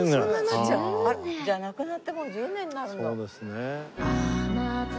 じゃあなくなってもう１０年になるんだ。